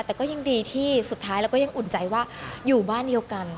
แต่ก็ยังดีที่สุดท้ายเราก็ยังอุ่นใจว่าอยู่บ้านเดียวกัน